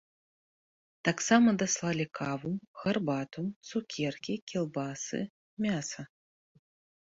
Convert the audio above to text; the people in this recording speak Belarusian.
Таксама даслалі каву, гарбату, цукеркі, кілбасы, мяса.